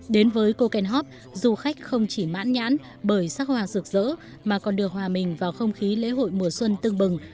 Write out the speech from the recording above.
đến với kokenhof du khách không chỉ mãn nhãn bởi sắc hoa rực rỡ mà còn đưa hòa mình vào không khí lễ hội mùa xuân tương bừng